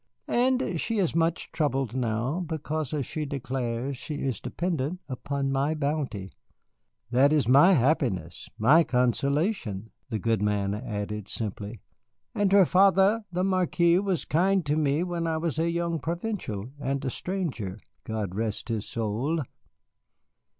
And she is much troubled now because, as she declares, she is dependent upon my bounty. That is my happiness, my consolation," the good man added simply, "and her father, the Marquis, was kind to me when I was a young provincial and a stranger. God rest his soul!"